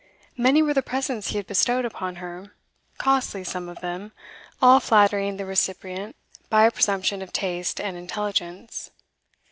Many were the presents he had bestowed upon her, costly some of them, all flattering the recipient by a presumption of taste and intelligence.